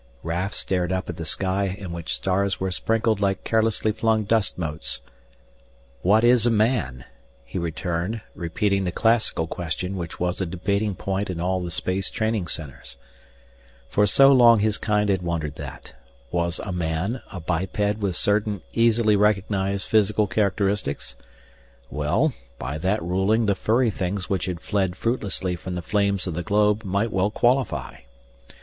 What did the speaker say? Raf stared up at the sky in which stars were sprinkled like carelessly flung dust motes. "What is a 'man'?" he returned, repeating the classical question which was a debating point in all the space training centers. For so long his kind had wondered that. Was a "man" a biped with certain easily recognized physical characteristics? Well, by that ruling the furry things which had fled fruitlessly from the flames of the globe might well qualify.